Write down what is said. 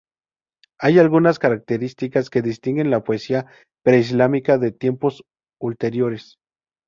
Hay algunas características que distinguen la poesía preislámica de tiempos ulteriores.